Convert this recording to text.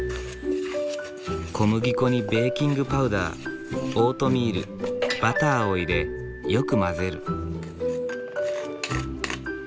小麦粉にベーキングパウダーオートミールバターを入れよく混ぜる。